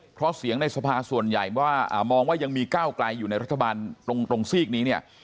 เพราะเสียงในสภาส่วนใหญ่ว่ามองว่ายังมีก้าวไกลอยู่ในรัฐบาลตรงซีกนี้เนี่ย